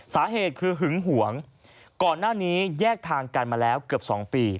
สาเหตุคือหึงหวงก่อนหน้านี้แยกทางกันมาแล้วเกือบ๒ปี